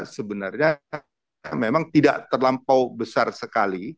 sebenarnya memang tidak terlampau besar sekali